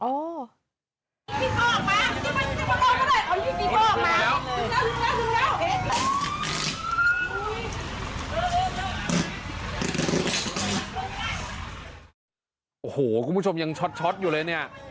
โอ้โหคุณผู้ชมยังช็อตอยู่เลยเนี่ย